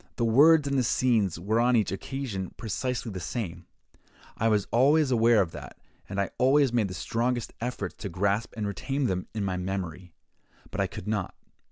The words and the scenes were on each occasion precisely the same: I was always aware of that, and I always made the strongest efforts to grasp and retain them in my memory, but I could not.